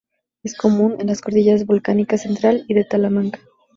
Es común en las cordilleras Volcánica Central y de Talamanca.